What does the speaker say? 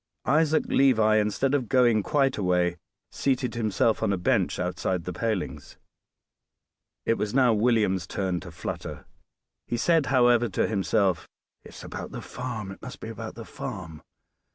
Isaac Levi, instead of going quite away, seated himself on a bench outside the palings. It was now William's turn to flutter; he said, however, to himself, "It is about the farm; it must be about the farm."